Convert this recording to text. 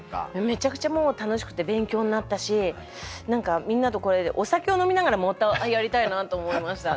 めちゃくちゃもう楽しくて勉強になったし何かみんなとこれでお酒を飲みながらまたやりたいなと思いました。